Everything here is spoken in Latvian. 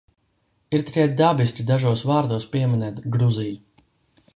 Ir tikai dabiski dažos vārdos pieminēt Gruziju.